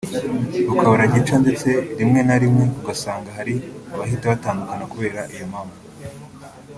rukabura gica ndetse rimwe na rimwe ugasanga hari abahita batandukana kubera iyo mpamvu